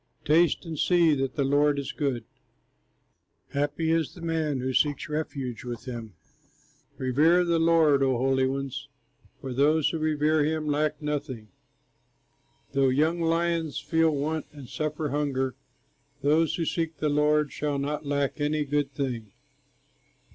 Taste and see that the Lord is good; Happy the man who seeks refuge with him. Revere the Lord, O holy ones, For those who revere him lack nothing. Though young lions feel want and suffer hunger, Those who seek the Lord shall not lack any good thing.